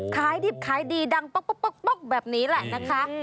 ขายดิบขายดีดังป๊อกแบบนี้แหละนะคะ